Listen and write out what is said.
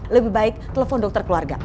lebih baik telepon dokter keluarga